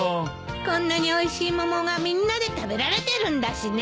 こんなにおいしい桃がみんなで食べられてるんだしね。